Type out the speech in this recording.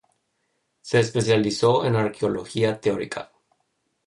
Se especializó en Arqueología Teórica.